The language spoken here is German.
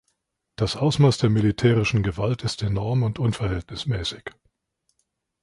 Das Ausmaß der militärischen Gewalt ist enorm und unverhältnismäßig.